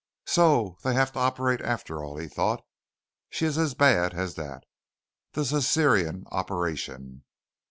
So they have to operate, after all, he thought. She is as bad as that. The Cæsarian operation.